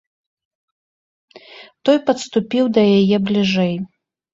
Той падступіў да яе бліжэй.